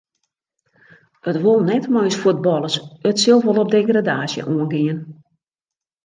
It wol net mei ús fuotballers, it sil wol op degradaasje oangean.